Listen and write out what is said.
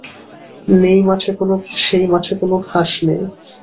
সেই মাঠে কোনো ঘাস নেই।